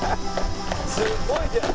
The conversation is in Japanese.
すごいじゃん。